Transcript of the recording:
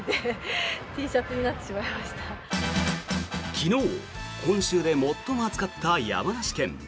昨日本州で最も暑かった山梨県。